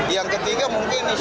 yang ketiga mungkin insya allah